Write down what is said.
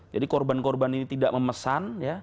jadi korban korban ini tidak memesan